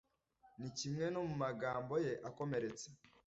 Ni kimwe no mu magambo ye akomeretsa